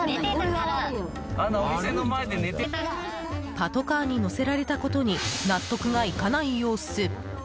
パトカーに乗せられたことに納得がいかない様子。